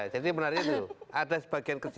satelit dan sebagainya